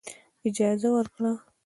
اجازه ورکړه.